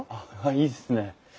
いいですねえ。